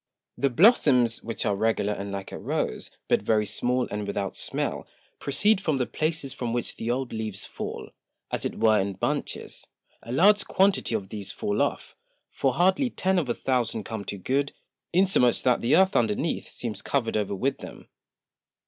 The Blossoms, which are regular and like a Rose, but very small, and without smell, proceed from the Places from which the old Leaves fall, as it were in Bunches. A large Quantity of these fall off, for hardly Ten of a Thousand come to good, insomuch that the Earth underneath seems cover'd over with them.